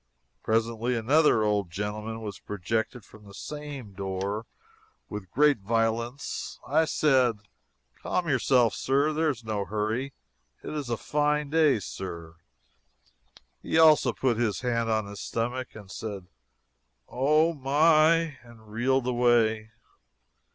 Presently another old gentleman was projected from the same door with great violence. I said: "Calm yourself, Sir There is no hurry. It is a fine day, Sir." He, also, put his hand on his stomach and said "Oh, my!" and reeled away.